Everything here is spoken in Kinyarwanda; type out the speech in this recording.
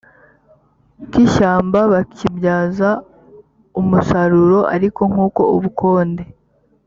k ishyamba bakibyaza umusaruro ariko nk uko ubukonde